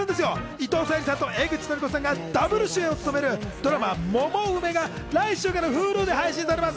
伊藤沙莉さんと江口のりこさんがダブル主演を務める、ドラマ『モモウメ』が来週からＨｕｌｕで配信されます。